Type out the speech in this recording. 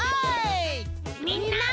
みんな。